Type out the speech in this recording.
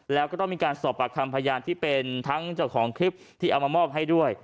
แล้วก็ต้องมีการสอบปากคำพยานที่เป็นทั้งเจ้าของคลิปที่เอามามอบให้ด้วย